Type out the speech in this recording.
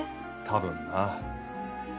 多分な。